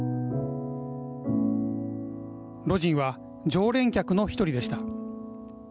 魯迅は常連客の１人でした。